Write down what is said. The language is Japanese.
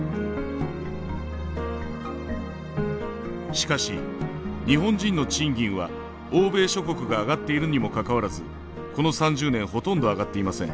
しかし日本人の賃金は欧米諸国が上がっているにもかかわらずこの３０年ほとんど上がっていません。